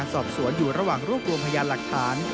รูปรวมพยานหลักฐาน